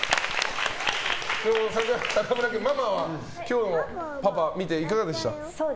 坂村家、ママは今日のパパ見ていかがでした？